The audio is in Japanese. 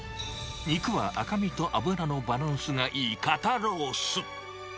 肉は赤身と脂身のバランスがいい肩ロース。